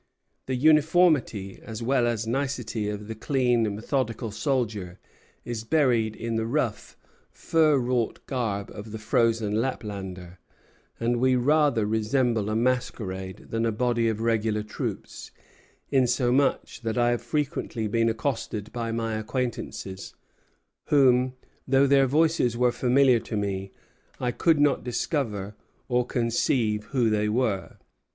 The uniformity as well as nicety of the clean, methodical soldier is buried in the rough, fur wrought garb of the frozen Laplander; and we rather resemble a masquerade than a body of regular troops, insomuch that I have frequently been accosted by my acquaintances, whom, though their voices were familiar to me, I could not discover, or conceive who they were.